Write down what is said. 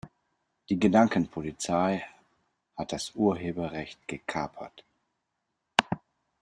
Die Gedankenpolizei hat das Urheberrecht gekapert.